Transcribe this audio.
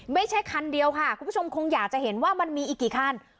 ไม่ใช่คันเดียวค่ะคุณผู้ชมคงอยากจะเห็นว่ามันมีอีกกี่คัน